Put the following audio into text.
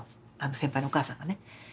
先輩のお母さんがね。